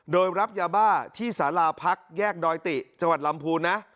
โดยรับยาบ้าที่สาราพักแยกดอยติจังหวัดลำพูนนะ